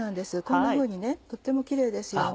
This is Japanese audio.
こんなふうにとってもキレイですよね。